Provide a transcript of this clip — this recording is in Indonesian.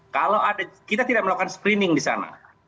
kalau kita tidak melakukan screening di sana